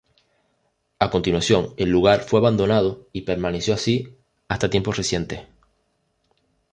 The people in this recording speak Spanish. A continuación, el lugar fue abandonado y permaneció así hasta tiempos recientes.